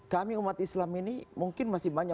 kami umat islam ini mungkin masih banyak